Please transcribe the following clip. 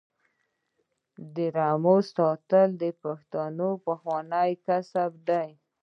د رمو ساتل د پښتنو پخوانی کسب دی.